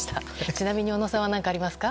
ちなみに小野さん何かありますか。